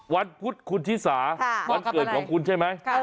วันพุธคุณชิสาวันเกิดของคุณใช่ไหม